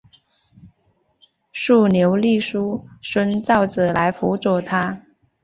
竖牛立叔孙昭子来辅佐他。